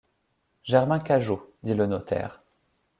Germain Cageot, dit le Notaire.